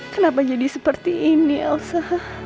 kenapa jadi seperti ini elsa